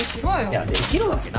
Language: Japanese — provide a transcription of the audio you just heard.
いやできるわけないでしょ。